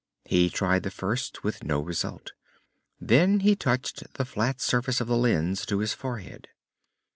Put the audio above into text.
He tried the first, with no result. Then he touched the flat surface of the lens to his forehead.